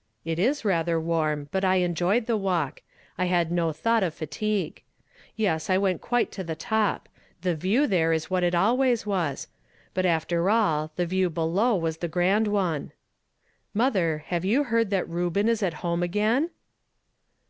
" It is rather warm, but I enjoyed the walk ; I had no thought of fatigue. Yes, I went quite to the top ; the view there is what it always was ; Jjut after all, the view below was tl e grand one. Hi ji "m J4 ! 84 YESTERDAY FRAMED IN TO DAY. Motlier, liave you heard that Reuben is at home again?"